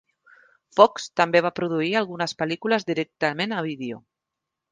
Fox també va produir algunes pel·lícules directament a vídeo.